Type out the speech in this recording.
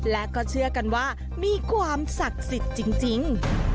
และก็เชื่อกันว่ามีความศักดิ์สิทธิ์จริง